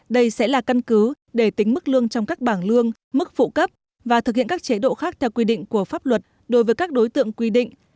đây sẽ là căn cứ để tính mức lương trong các bảng lương mức phụ cấp và thực hiện các chế độ khác theo quy định của pháp luật đối với các đối tượng quy định